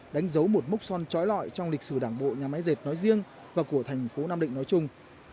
đánh dấu một mốc son trói lọi trong lịch sử đảng bộ nhà máy dệt nói riêng và của thành phố nam định nói chung